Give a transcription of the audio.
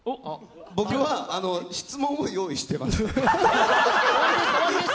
僕は質問を用意してます。